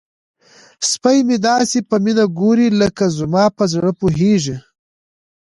سپی مې داسې په مینه ګوري لکه زما په زړه پوهیږي.